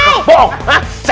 muka lo kekutir anak